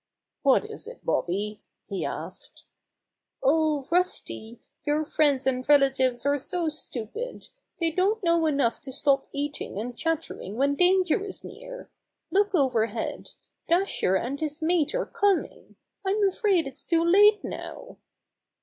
"What is it, Bobby?" he asked. "Oh, Rusty! Your friends and relatives are so stupid! They don't know enough to stop eating and chattering when danger is near. Look overhead! Dasher and his mate are coming! I'm afraid it's too late now!"